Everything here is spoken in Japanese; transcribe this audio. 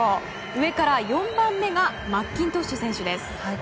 上から４番目がマッキントッシュ選手です。